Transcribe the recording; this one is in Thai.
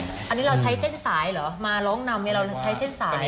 อันนี้เราใช้เส้นสายเหรอมาร้องนำเนี่ยเราใช้เส้นสาย